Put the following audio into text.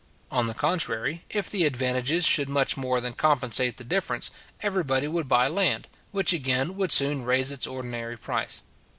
On the contrary, if the advantages should much more than compensate the difference, everybody would buy land, which again would soon raise its ordinary price.